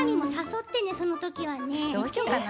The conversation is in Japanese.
どうしようかな。